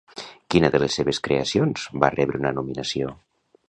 Quina de les seves creacions va rebre una nominació?